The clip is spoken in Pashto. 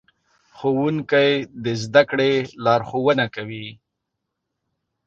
ښوونکي د زدهکړې لارښوونه کوي.